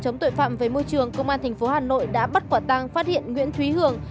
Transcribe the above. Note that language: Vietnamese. chống tội phạm về môi trường công an tp hà nội đã bắt quả tang phát hiện nguyễn thúy hường